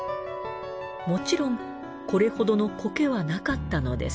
もちろんこれほどの苔はなかったのです。